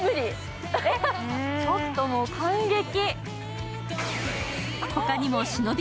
ちょっともう感激。